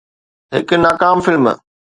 هڪ ناڪام فلم